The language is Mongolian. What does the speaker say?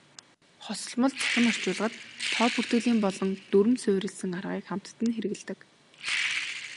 Хосолмол цахим орчуулгад тоо бүртгэлийн болон дүрэм суурилсан аргыг хамтад нь хэрэглэдэг.